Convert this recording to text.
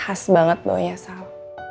khas banget loh ya sal